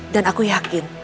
dan aku yakin